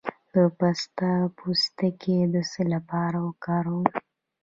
د پسته پوستکی د څه لپاره وکاروم؟